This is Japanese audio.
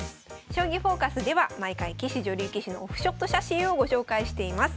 「将棋フォーカス」では毎回棋士女流棋士のオフショット写真をご紹介しています。